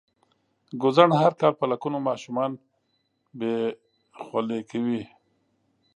ګوزڼ هر کال په لکونو ماشومان بې خولې کوي.